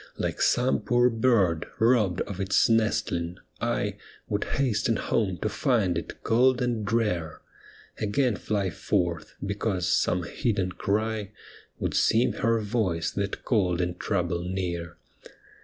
Like some poor bird robbed of its nestling, I Would hasten home to find it cold and drear, Again fly forth, because some hidden cry Would seem her voice that called in trouble near.